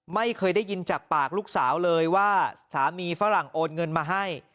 ไม่เคยได้ยินจากปากลูกสาวเลยว่าสามีฝรั่งโอนเงินมาให้